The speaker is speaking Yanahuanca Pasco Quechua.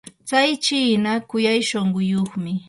tsay chiina kuyay shunquyuqmi.